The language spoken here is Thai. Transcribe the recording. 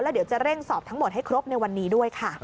เดี๋ยวจะเร่งสอบทั้งหมดให้ครบในวันนี้ด้วยค่ะ